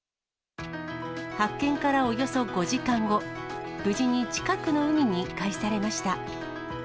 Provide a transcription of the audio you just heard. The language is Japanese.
発見からおよそ５時間後、無事に近くの海に帰されました。